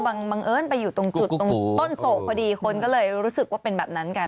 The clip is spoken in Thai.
บังเอิญไปอยู่ตรงจุดตรงต้นโศกพอดีคนก็เลยรู้สึกว่าเป็นแบบนั้นกัน